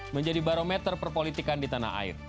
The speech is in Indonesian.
menjadi barometer perpolitikan di tanah air